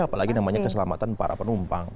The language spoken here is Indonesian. apalagi namanya keselamatan para penumpang